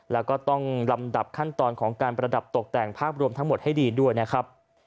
แล้วก็ต้องลำดับขั้นตอนของการประดับตกแต่งภาพรวมทั้งหมดให้ดีด้วยนะครับ